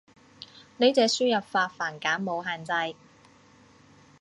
呢隻輸入法繁簡冇限制